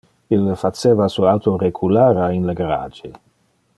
Ille faceva su auto recular a in le garage.